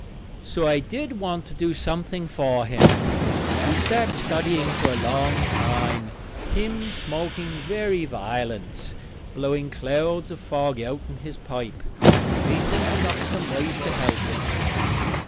So I did want to do something for him. We sat studying for a long time, him smoking very violent, blowing clouds of fog outen his pipe, me thinking up some way to help him.